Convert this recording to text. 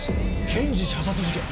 検事射殺事件。